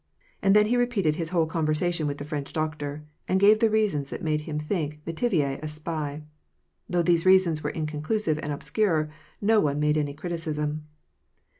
And then he repeated his whole conversation with the French doctor, and gave the reasons that made him think M6tivier a spy. Though these reasons were inconclusive and obscure, no one made any criticism.